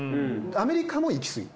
アメリカも行き過ぎ。